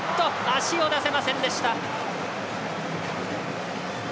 足を出せませんでした。